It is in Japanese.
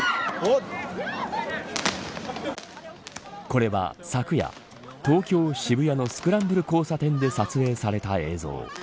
これは、昨夜東京、渋谷のスクランブル交差点で撮影された映像。